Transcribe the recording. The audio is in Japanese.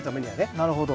なるほど。